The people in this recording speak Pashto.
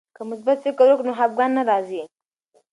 که مثبت فکر وکړو نو خفګان نه راځي.